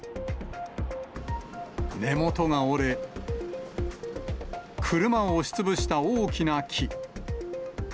根元が折れ、車を押しつぶした大きな木。